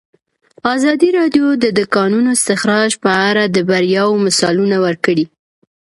ازادي راډیو د د کانونو استخراج په اړه د بریاوو مثالونه ورکړي.